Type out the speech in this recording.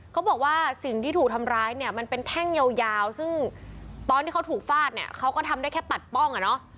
เขาบอกว่าสิ่งที่ถูกทำร้ายเนี่ยมันเป็นแท่งยาวซึ่งตอนที่เขาถูกฟาดเนี่ยเขาก็ทำได้แค่ปัดป้องอ่ะเนอะ